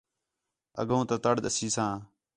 اڳّوں تا تَڑ ݙَسیساں